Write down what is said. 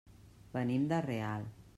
Venim de Real.